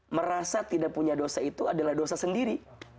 merasa tidak punya dosa itu adalah dosa sendiri